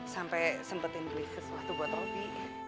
sampai sempetin beli sesuatu buat hobi